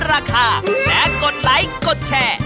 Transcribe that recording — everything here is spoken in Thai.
และกดไลค์กดแชร์